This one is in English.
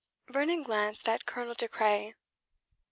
Vernon glanced at Colonel De Craye.